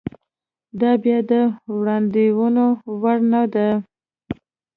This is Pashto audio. دا بیا د وړاندوېنې وړ نه ده.